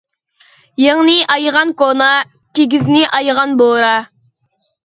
يېڭىنى ئايىغان كونا، كىگىزنى ئايىغان بورا.